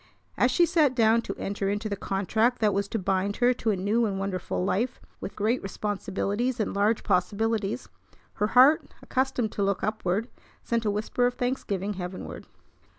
As she sat down to enter into the contract that was to bind her to a new and wonderful life with great responsibilities and large possibilities, her heart, accustomed to look upward, sent a whisper of thanksgiving heavenward.